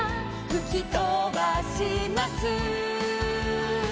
「ふきとばします」